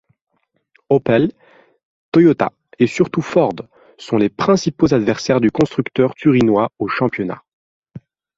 Opel, Toyota et surtout Ford sont les principaux adversaires du constructeur turinois au championnat.